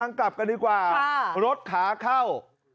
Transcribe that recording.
กลางกลับกันดีกว่ารถขาเขา